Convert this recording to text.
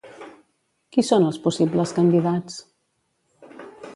Qui són els possibles candidats?